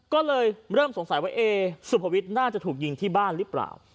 ก็เลยเริ่มสงสัยว่าเอ๊สุภวิทย์น่าจะถูกยิงที่บ้านหรือเปล่า